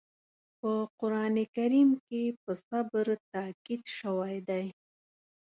په قرآن کریم کې په صبر تاکيد شوی دی.